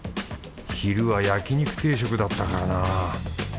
昼は焼肉定食だったからな。